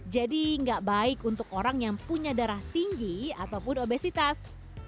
nggak baik untuk orang yang punya darah tinggi ataupun obesitas